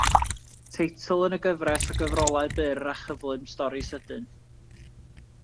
Teitl yn y gyfres o gyfrolau byr a chyflym Stori Sydyn.